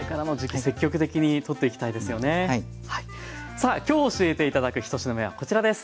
さあきょう教えていただく１品目はこちらです。